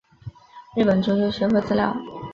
日本足球协会资料